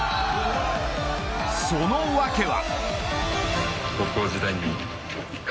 その訳は。